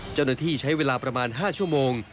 เจ้าหน้าที่ใช้เวลาประมาณ๕ชั่วโมง